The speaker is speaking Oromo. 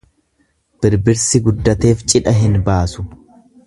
Birbirsi guddateef cidha hin baasu.